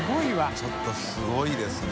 ちょっとすごいですね。